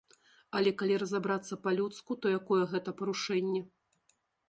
А калі разабрацца па-людску, то якое гэта парушэнне?